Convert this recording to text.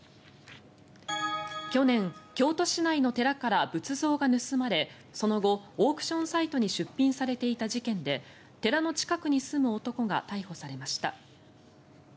去年、京都市内の寺から仏像が盗まれその後、オークションサイトに出品されていた事件で寺の近くに住む男が逮捕されました。